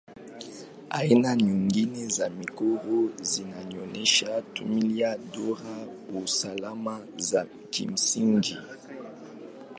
Aina nyingine za michoro zinaonyesha tu milia, duara au alama za kimsingi.